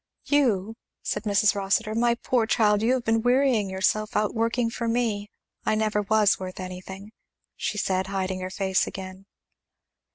"You?" said Mrs. Rossitur; "my poor child! you have been wearing yourself out working for me, I never was worth anything!" she said, hiding her face again.